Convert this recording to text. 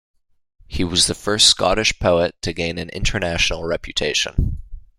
He was the first Scottish poet to gain an international reputation.